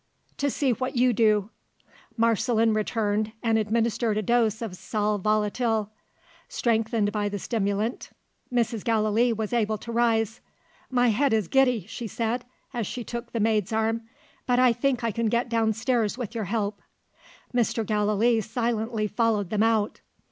"To see what you do." Marceline returned, and administered a dose of sal volatile. Strengthened by the stimulant, Mrs. Gallilee was able to rise. "My head is giddy," she said, as she took the maid's arm; "but I think I can get downstairs with your help." Mr. Gallilee silently followed them out.